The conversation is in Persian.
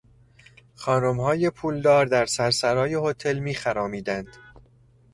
خانمهای پولدار در سرسرای هتل میخرامیدند.